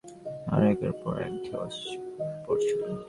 আর একের পর এক ঢেউ আছড়ে পড়ছিল।